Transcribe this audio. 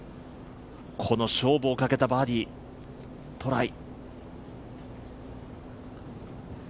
この勝負をかけたバーディートライ。